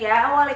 ya terima kasih